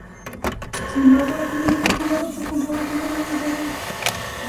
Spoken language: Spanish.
Sin embargo, la comunidad fundada por Conrado tuvo una vida breve.